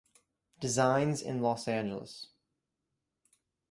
Designs in Los Angeles.